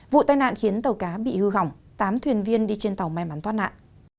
vụ tai nạn khiến tàu cá bị hư hỏng tám thuyền viên đi trên tàu may mắn thoát nạn